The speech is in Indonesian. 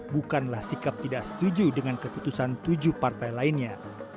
bukanlah sikap tidak setuju dengan keputusan tujuh partai lainnya